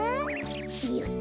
よっと。